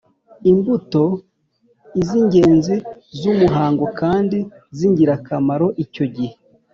imbuto : iz'ingenzi z'umuhango kandi z'ingirakamaro icyo gihe